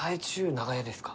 長屋ですか？